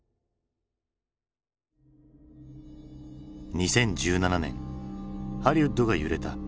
２０１７年ハリウッドが揺れた。